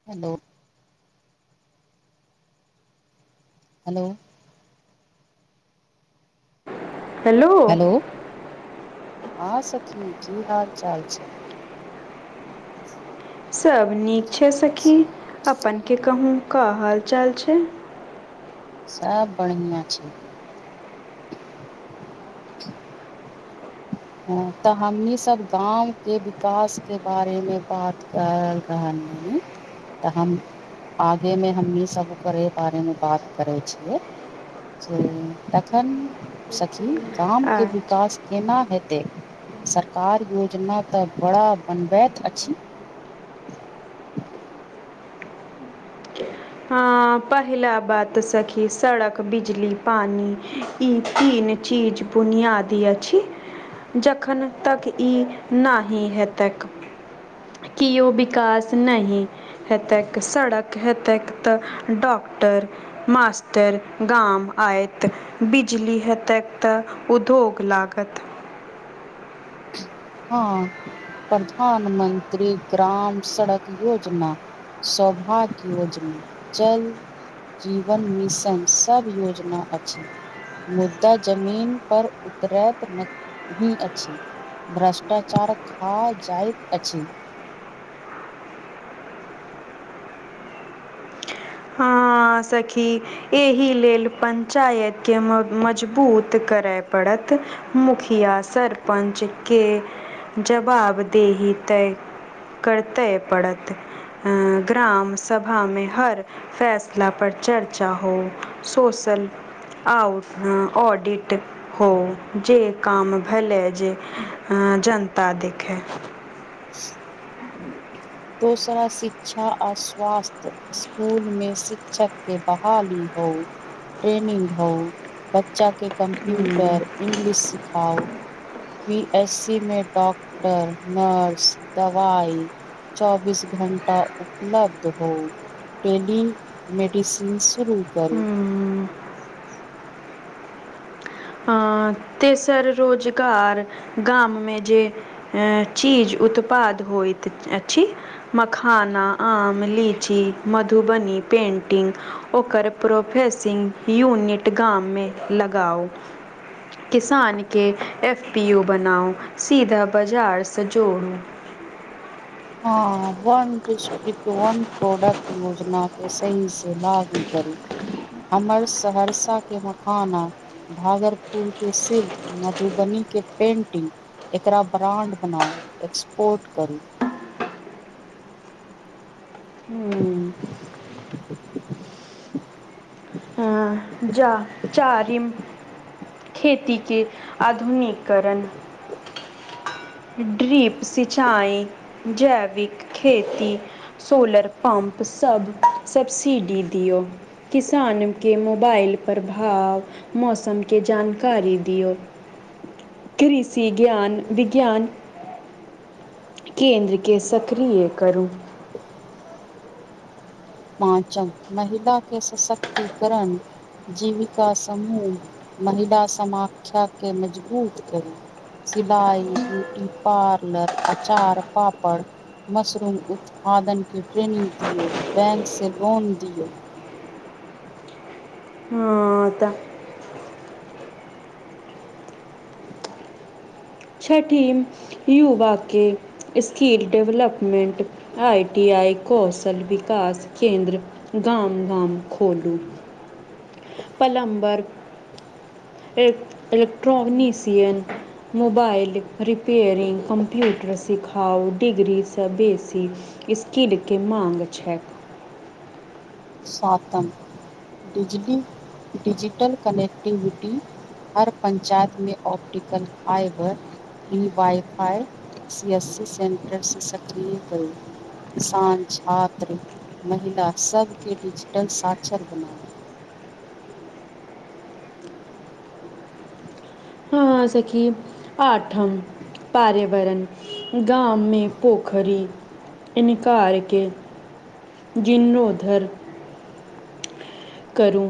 [inaudible] Hello hello हां सखी की हाल चाल छै? [inaudible] सब नीक छै सखी, अपन के कहूँ क हाल चाल छै? सब बढ़िआँ छै। [inaudible] ह तऽ हमनी सब गाँवके विकासके बारेमे बात करल कहलियन तऽ हम आगेमे हमनी सब ओकरे बारेमे बात करै छियै। से तखन सखी गामके अच्छा विकास केना हेत? ते सरकार योजना तऽ बड़ा बनबैत अछि। हां पहिला बात त सखी सड़क बिजली पानी ई तीन चीज बुनियादी अछि। जखन तक ई नहि हेतैक। कि ओ विकास नहि हेतक सड़क हेतक तऽ डॉक्टर, मास्टर गाम आयत। बिजली हेतक तऽ उद्योग लागत। हां प्रधान मंत्री ग्राम सड़क योजना। शोभाग्य योजना जल जीवन मिशन सब योजना अछि। मुद्दा जमीन पर उतरैत नही अछी। भ्रष्टाचारक हॅं जाइत अछि। हाँ सखी, एहि लेल पंचायत के मजबूत करय पड़त। मुखिया सरपञच के जवाब देही तै करतय पड़त ग्राम सभा मे हर फैसला- सला पर चर्चा हो सोशल आउट ऑडिट- हो जे काम भेलए जे अ जनता देखय। दोसरा शिक्षा आ स्वास्थ्य स्कूल मे शिक्षक के बहाली हो ट्रेनिंग हो बच्चा के के कम्प्यूटर इंग्लिश सिखाउ, बी एस सी मे डॉक्टर नर्स दवाइ, चौबीस घण्टा उपलब्ध हो। टेली मेडिसिन शुरू करू। अ, तेसर रोजगार गाम मे जे अ चीज उत्पाद होयत अछि, मखाना आम लीची मधुबनी पेंटिंग, ओकर प्रोफेसिंग यूनिट गाम मे लगाउ। किसान के एफ पी ओ बनाउ सीधा बाजार‌सँ जोड़ू। हँ वन डिस्ट्रिकट वन प्रोडक्ट योजना के सही से लागू करू, हमर सहरसा के मखाना भागलपुर के सिल्क मधुबनी के पेंटिंग, एकरा ब्राण्ड बनाउ एक्सपोर्ट करू। अ, जा चारिम खेती के आधुनीकरण। ड्रीप सिचाई जैविक खेती। सोलर पंप सब सबब्सिडी दियौ किसान के मो बाइल प्रभाव मौसम के जानकारी दियौ। कृषि ज्ञान-विज्ञान, केन्द्र केँ सक्रिय करू। पाँचम महिला के सशक्तिकरण। जीविका समूह महिला समाख्याके मजबूत करी। सिलाई ब्यूटी पार्लर अचार पापड़, मशरूम उत्पादन के ट्रेनिंग दियौ बैंक से लोन दीयौ। आंटा, छठिम यूवा के skill development I T I कौशल विकास केन्द्र, गाम-गाम खोलू। Plumber electrician, mobile repairing computer सिखाउ डिग्री सँ बेसी स्किलके माँग छैक। सातम डिजली डिजिटल कनेक्टिविटी, हर पञ्चायतमे ऑप्टिकल फाइबर, ई wifi C S C centre से सक्रिय करू। किसान छात्र महिला सबके डिजिटल साक्षर बनाउ। हॅं सखी आठम पार्यावरण गाँवमे पोखरी इनका अरके [inaudible] जीर्णोधर। करूं,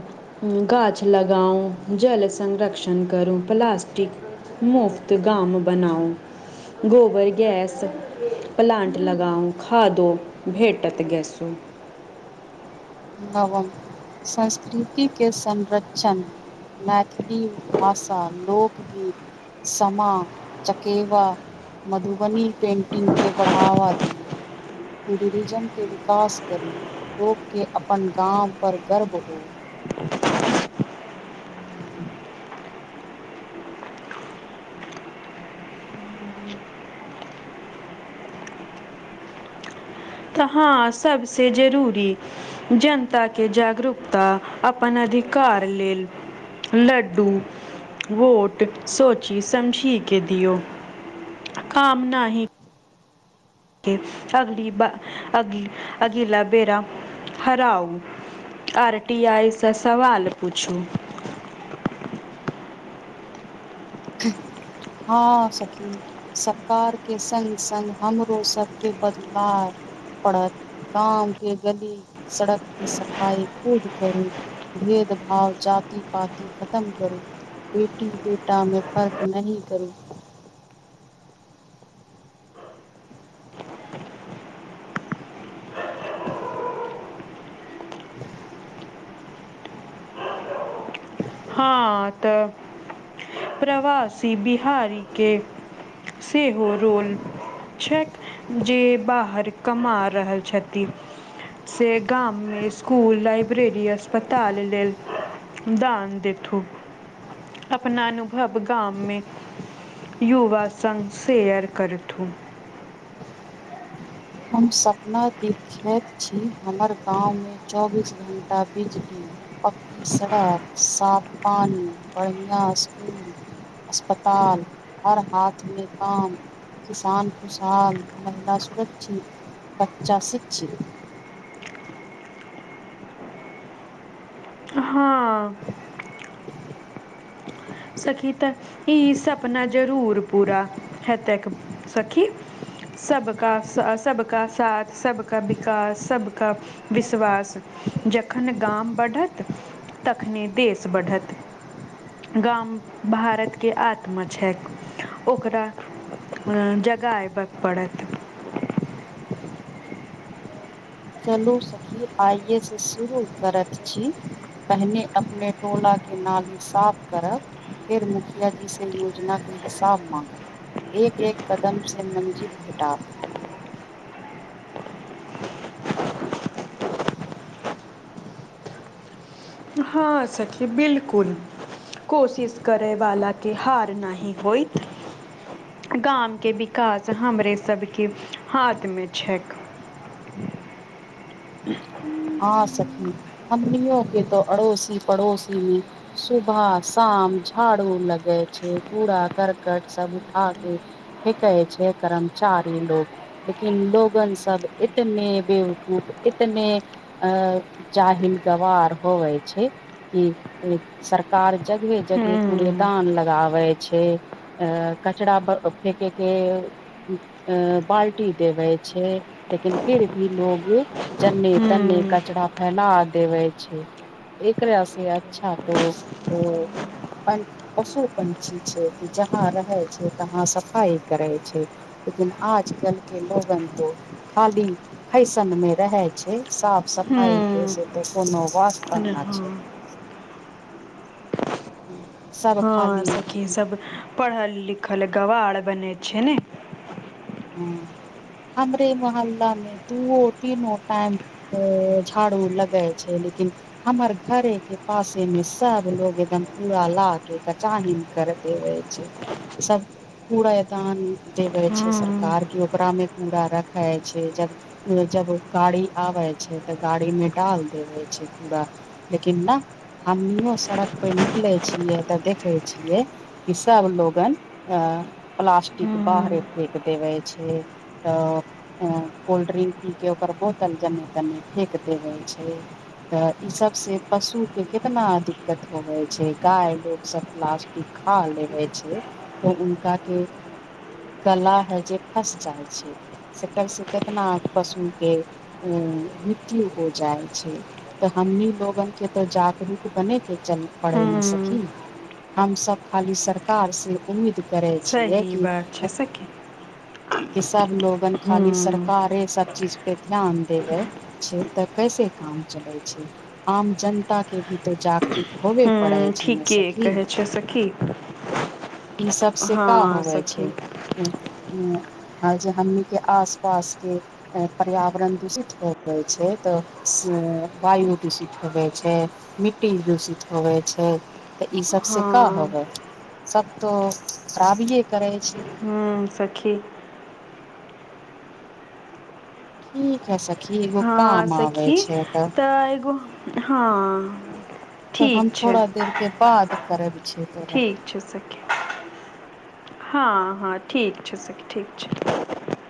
गाछ लगाऊं, जल संरक्षण करूं प्लास्टिक मुफ्त गाम बनाउ [inaudible] गोबर गैस प्लान्ट लगाउं, खादो भेटत गैसो नबम संस्कृतिके संरक्षण। मैथिली भाषा, लोकगीत समा चकेवा मधुबनी पेंटिंग के बढ़ावा दियौ। टूरिरिजम के विकास करु, लोकके अपन गाम पर गर्व हो। त हँ सबसे जरूरी जनता के जागरूकता अपन अधिकार लेल लड्डू वोट सोची समझी के दिऔ। [inaudible] काम नाही के अगली बा अगी अगिला बेेर आब हराउ। आर टी आइ सं सवाल पुछू। [unintelligible] हँ सखी। सरकार के संग-संग हमरो सबके बदलाइ परत। गाँवके गली, सड़कके सफाई खुद करू। भेदभाव जाति-पाति खतम करू बेटी बेटामे। फर्क नहीं करू। हं त प्रवासी बिहारी के सेहो रोल छैेक। जे बाहर कमा रहल छती। से गाममे स्कुल, लाइब्रेरी, अस्पताल लेल दान देथू। अपना अनुभव गाममे युवा संग शेयर करथू। हम सपना दी। खैत छी हमर गांवमे चौबीस घंटा बिजली पक्की सड़क, साफ पानी, बढ़ियां स्कूल अस्पताल, हर हाथमे काम किसान, किसान महिला सुरक्षित बच्चा शिक्षित। हं अं। सखी त ई सपना जरूर पूरा हेतैक सखी। सबका, स सबका साथ, सबका विकास सबका विश्बास, जखन गाम बढत तखने देश बढत। गाम भारतके आत्मा छैक, ओकरा अं जगाइबक परत। चलू सखी आइए स शुरू करत छी। पहिने अपने टोलाके नाली साफ करब। फेर मुखियाजी से योजनाके हिसाब माँंगब। एक एक कदमसे मंजिल भेटात। हँ सखी, बिलकुल। कोशिश करयवाला के, हार नहि होइत। गाम के विकास, हमरे सबके हाथ मे छै। हा सखी! हम्मनियो के तो अड़ोसी पड़ोसी मे। सुबह -शाम झाड़ू लगे छै, कूड़ा करकट सब उठा के फेकै छै कर्मचारी लोक। लेकिन लोगन सब इतने बेवकूफ, इतने अ जाहिल -गवार होवै छै। कि इ सरकार जगहे -जगहे हम्म कूड़ेदान लगाबै छै। अ कचरा ब फेके के अ बाल्टी देबै छै, लेकिन फिर भी लोग, जन्ने तने, हम्म कचरा फैला देवे छै। एकरा से अच्छा तो ओ अन पशु -पंछी छै, कि जहाँ रहै छै तहाँ सफाइ करै छै। लेकिन आज कल के लोगन तो, खाली फैशन मे रहे छै। साफ- सफाइ के से हम्म त, कोनो वास्ता ने ना छै। हँ हुं सा [unintelligible] हँ सखी सब, पढ़ल -लिखल गवार बने छै ने। ह हमरे मोहल्ला मे, दूओ, तीनो, टाइम ओ झाड़ू लगए छै, लेकिन हमर घरे के पासे मे सब लोग एकदम, कूड़ा ला के कचाहीन करे। देैवे छै, सब कूरेदानी देबे छै सरकार! हम्म आर केयो ओकरा मे कूड़ा रखै छै जब जब गाड़ी आबै छै, तऽ गाड़ी मे डाल देबे छै कूरा। लेकिन ना, हमनीयो सड़क पे निकले छियै, तऽ देखे छियै। कि सभ लोगन, प्लास्टिक बाहरे हम्म फेेक देबे छै। तऽ। अ कोल्ड्रिंक पी के ओकर बोतल, जन्ने- तन्ने फेक देबे छै। तऽ इ सब से पशु के कितना दिक्कत होवे छै, गाय लोग सब प्लास्ट कि खा लेवे छै, तऽ उनका के गला मे जे फस जाइ छै। अइ सब से, कितना पशु के ऊ मृत्यु हो जाइ छै। तऽ हमनी लोगन के तो जागरूक बने के चल पड़े ने हम्म सखी! हमसब खाली सरकार से उम्मीद करै छियै सही बात छै सखी। की सब लोगन खाली हम्म सरकारे सब चीज पे ध्यान देेवे छै, तऽ कैसे काम चलै छै। आम जनता के भी तऽ जागरूक होबे पड़ै हूँ छै ने ठीके सखी कहै छ सखी। ई सब से हँ का होवे सखी छै। ए आइ जे हमही के आस -पास के पर्यावरण दूषित होबै छै, तऽ वायु दूषित होवै छै। मिट्टी दूषित होबै छै, तऽ ई सभसँ का होबै। हँ सब तो खराबिये करै छै। हूँ सखी! ठीक है स हँ सखी तऽ एगो हँ। तब हम ठीक छै थोड़ा देर के बाद करब छे। ठीक। छै सखी हँ हँ ठीक छै सखी ठीक छै।